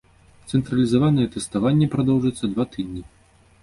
Цэнтралізаванае тэставанне прадоўжыцца два тыдні.